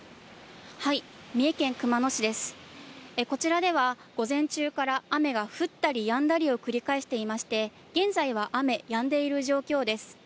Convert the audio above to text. こちらでは、午前中から雨が降ったりやんだりを繰り返していまして、現在は雨、やんでいる状況です。